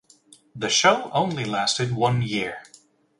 The show only lasted one year.